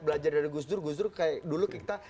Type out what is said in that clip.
belajar dari gus dur gus dur kayak dulu kita